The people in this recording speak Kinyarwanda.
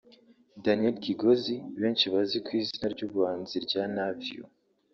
Daniel Kigozi benshi bazi ku izina ry’ubuhanzi rya Navio